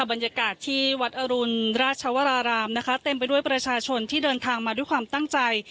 บรรยากาศที่วัดอรุณราชวรารามนะคะเต็มไปด้วยประชาชนที่เดินทางมาด้วยความตั้งใจ